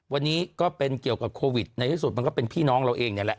วันนี้ก็เป็นเกี่ยวกับโควิดในที่สุดมันก็เป็นพี่น้องเราเองนี่แหละ